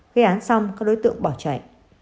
gây án xong các đối tượng bỏ chạy